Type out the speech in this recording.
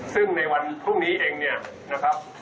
ซึ่งในวันพรุ่งนี้เองเนี่ยนะครับ